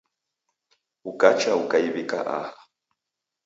Ukacha ukaiw'ika aha